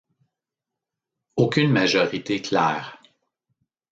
Aucune majorité claire.